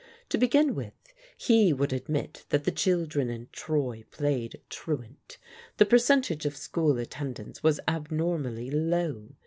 To begin with, he would admit that the children in Troy played truant; the percentage of school attendance was abnormally low.